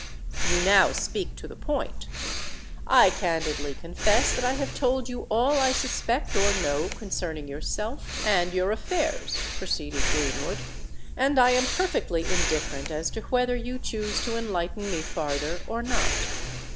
"You now speak to the point. I candidly confess that I have told you all I suspect or know concerning yourself and your affairs," proceeded Greenwood; "and I am perfectly indifferent as to whether you choose to enlighten me farther, or not.